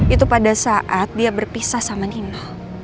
itu pada saat dia berpisah sama dino